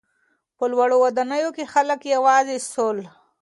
په لوړو ودانیو کې خلک یوازې سول.